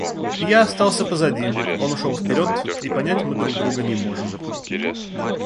Я остался позади, он ушел вперед, и понять мы друг друга не можем.